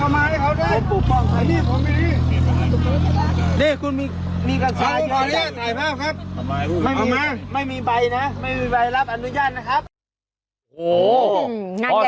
ไม่มีใบนะไม่มีใบรับอนุญาตนะครับ